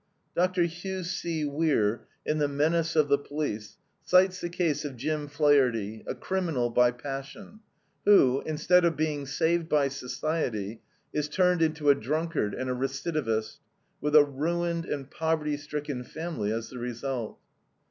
" Mr. Hugh C. Weir, in THE MENACE OF THE POLICE, cites the case of Jim Flaherty, a criminal by passion, who, instead of being saved by society, is turned into a drunkard and a recidivist, with a ruined and poverty stricken family as the result.